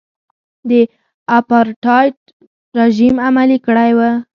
د اپارټایډ رژیم عملي کړی و.